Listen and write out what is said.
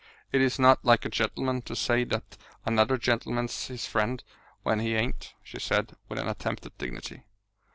"It is not like a gentleman to say that another gentleman's his friend when he ain't," she said, with an attempt at dignity.